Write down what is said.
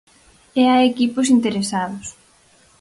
E hai equipos interesados.